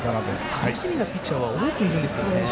楽しみなピッチャーが多くいるんですね。